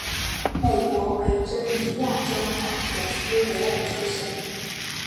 美国维珍尼亚州马田斯维尔出生。